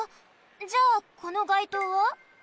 じゃあこのがいとうは？